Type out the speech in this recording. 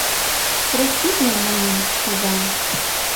— Проститле мыйым, туван!